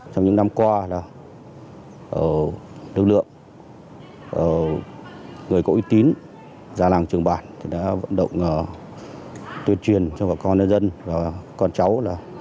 trong những năm qua lực lượng người có uy tín ra làng trường bản đã vận động tuyên truyền cho bà con nhân dân và con cháu